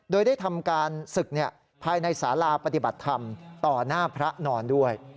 โดยได้ทำการศึกภายในสาราปฏิบัติธรรมต่อหน้าพระนอนด้วย